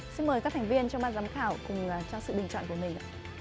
xin mời các thành viên trong ban giám khảo cùng cho sự bình chọn của mình